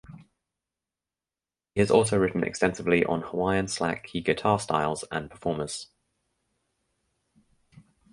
He has also written extensively on Hawaiian slack key guitar styles and performers.